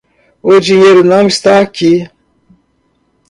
O dinheiro não está aqui.